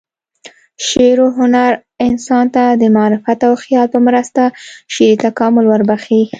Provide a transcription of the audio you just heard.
شعر و هنر انسان ته د معرفت او خیال په مرسته شعوري تکامل وربخښي.